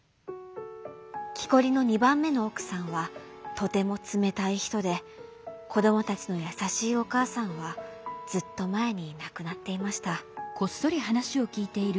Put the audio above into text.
きこりの２ばんめのおくさんはとてもつめたいひとでこどもたちのやさしいおかあさんはずっとまえになくなっていました。